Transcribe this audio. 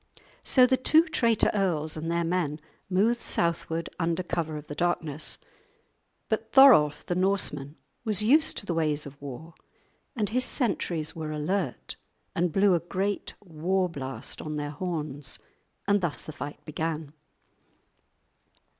So the two traitor earls and their men moved southward under cover of the darkness. But Thorolf the Norseman was used to the ways of war, and his sentries were alert and blew a great war blast on their horns. And thus the fight began.